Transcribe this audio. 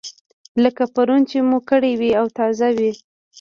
لکه پرون چې مو کړې وي او تازه وي.